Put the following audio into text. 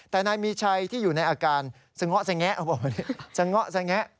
แต่นายมีชัยที่อยู่ในอาการสงะสงะ